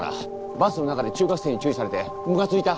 バスの中で中学生に注意されてムカついた？